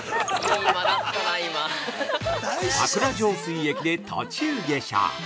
◆桜上水駅で途中下車。